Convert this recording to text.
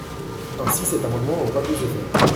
Ainsi, cet amendement aura deux effets.